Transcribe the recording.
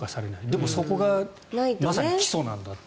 でもそこがまさに基礎なんだと。